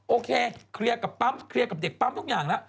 โอเคเคลียร์กับปั๊มเคลียร์กับเด็กปั๊มทุกอย่างแล้ว